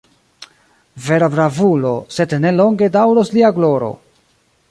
Vera bravulo, sed ne longe daŭros lia gloro!